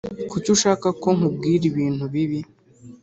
Kuki ushaka ko nkubwira ibintu bibi